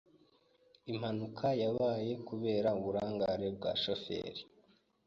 Impanuka yabaye kubera uburangare bwa shoferi.